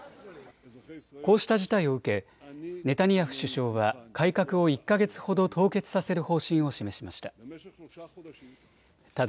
こうした事態を受けネタニヤフ首相は改革を１か月ほど凍結させる方針を示しました。